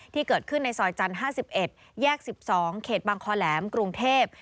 ที่เกิดขึ้นในซอยจันทร์๕๑แยก๑๒เขตบางคอแหลมกรุงเทพ